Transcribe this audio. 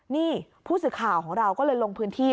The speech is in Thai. นี่ผู้สื่อข่าวของเราก็เลยลงพื้นที่